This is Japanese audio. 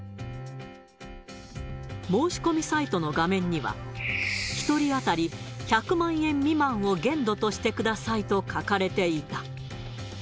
申し込みサイトの画面には、１人当たり１００万円未満を限度としてくださいと書かれていた。